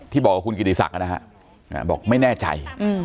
ที่บอกคุณกิริษักษ์นะฮะบอกไม่แน่ใจ